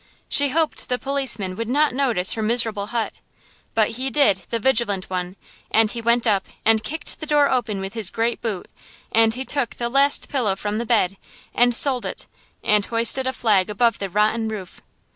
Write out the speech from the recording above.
She hoped the policeman would not notice her miserable hut. But he did, the vigilant one, and he went up and kicked the door open with his great boot, and he took the last pillow from the bed, and sold it, and hoisted a flag above the rotten roof.